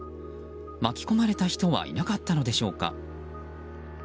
巻き込まれた人はいなかったのでしょうか。